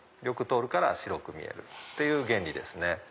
よく通るから白く見えるっていう原理ですね。